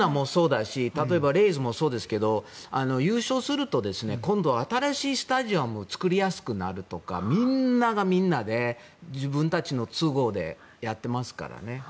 例えばレイズもそうですが優勝すると今度は新しいスタジアムを作りやすくなるとかみんながみんなで自分たちの都合でやってますからね。